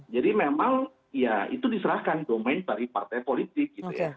jadi memang ya itu diserahkan domain dari partai politik